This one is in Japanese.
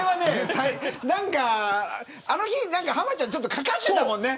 あの日、浜ちゃんちょっとかかってたもんね。